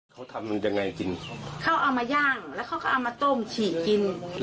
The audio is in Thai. คือว่ากลัวกลัวอย่างเดียว